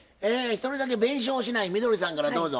一人だけ弁償をしないみどりさんからどうぞ。